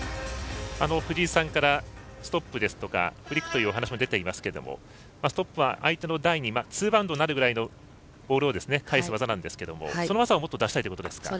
藤井さんからストップですとかフリックというお話が出ていますけどもストップは相手の台にツーバウンドになるぐらいのボールを返す技なんですけどその技をもっと出したいということですか？